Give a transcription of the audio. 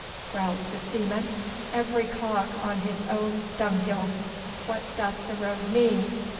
growled the seaman. 'Every cock on his own dunghill. What doth the rogue mean?